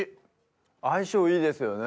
相性いいですよね。